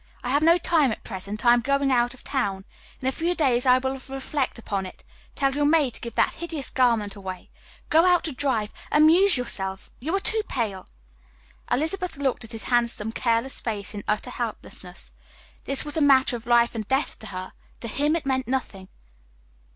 I have no time at present, I am going out of town. In a few days I will reflect upon it. Tell your maid to give that hideous garment away. Go out to drive amuse yourself you are too pale." Elizabeth looked at his handsome, careless face in utter helplessness. This was a matter of life and death to her; to him it meant nothing.